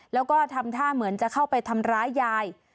แล้วก็ทำท่าเข้าไปที่จะจะทำร้ายยาย